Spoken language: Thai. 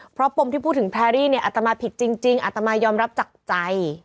เพราะปมที่พูดถึงแพรรี่เนี่ยอัตมาผิดจริงอัตมายอมรับจากใจ